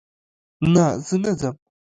نه، زه نه ځم